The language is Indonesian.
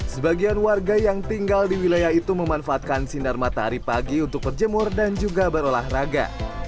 sebagian warga yang tinggal di wilayah itu memanfaatkan sinar matahari pagi untuk berjemur dan juga berolahraga